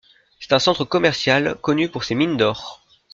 C'est un centre commercial, connu pour ses mines d'or.